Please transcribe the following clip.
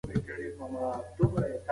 سفر د انسان اخلاق معلوموي.